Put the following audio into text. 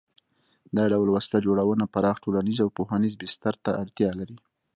دا ډول وسله جوړونه پراخ ټولنیز او پوهنیز بستر ته اړتیا لري.